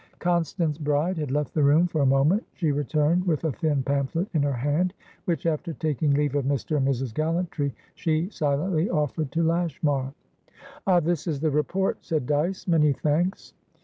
Constance Bride had left the room for a moment; she returned with a thin pamphlet in her hand, which, after taking leave of Mr. and Mrs. Gallantry, she silently offered to Lashmar. "Ah, this is the Report," said Dyce. "Many thanks."